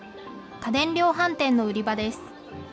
家電量販店の売り場です。